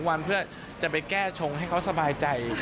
วันเพื่อจะไปแก้ชงให้เขาสบายใจ